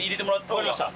わかりました。